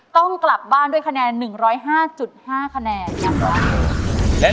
ต้องกลับบ้านด้วยคะแนน๑๐๕๕คะแนนนะคะ